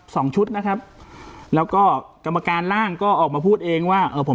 สองชุดนะครับแล้วก็กรรมการร่างก็ออกมาพูดเองว่าเอ่อผม